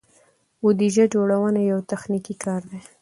بودیجه جوړونه یو تخنیکي کار دی.